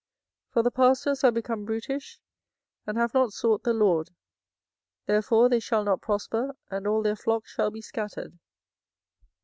24:010:021 For the pastors are become brutish, and have not sought the LORD: therefore they shall not prosper, and all their flocks shall be scattered.